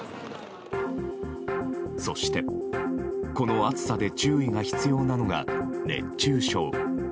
そして、この暑さで注意が必要なのが熱中症。